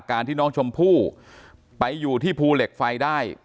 การที่น้องชมพู่ไปอยู่ที่ภูเหล็กไฟได้